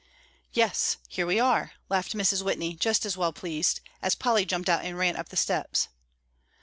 "Yes, here we are," laughed Mrs. Whitney, just as well pleased, as Polly jumped out and ran up the steps.